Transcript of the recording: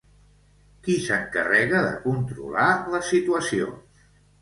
Qui s'encarrega de controlar la situació?